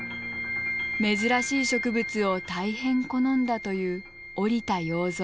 珍しい植物を大変好んだという折田要蔵。